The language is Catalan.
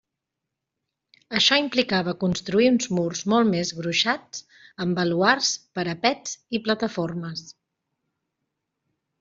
Això implicava construir uns murs molts més gruixats, amb baluards, parapets i plataformes.